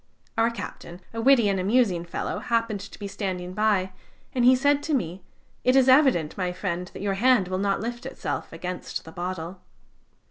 Our captain, a witty and amusing fellow, happened to be standing by, and he said to me: 'It is evident, my friend, that your hand will not lift itself against the bottle.'